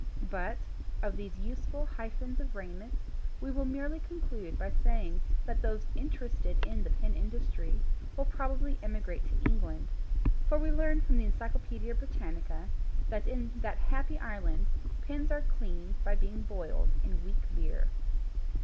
But of these useful hyphens of raiment we will merely conclude by saying that those interested in the pin industry will probably emigrate to England, for we learn from the Encyclopædia Britannica that in that happy island pins are cleaned by being boiled in weak beer.